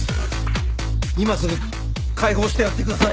今すぐ解放してやってください！